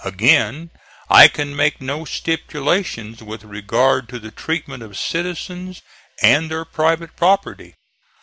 Again, I can make no stipulations with regard to the treatment of citizens and their private property.